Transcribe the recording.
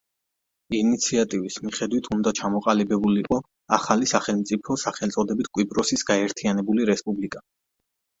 ინიციატივის მიხედვით უნდა ჩამოყალიბებულიყო ახალი სახელმწიფო სახელწოდებით კვიპროსის გაერთიანებული რესპუბლიკა.